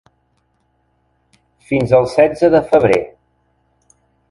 Fins el setze de febrer.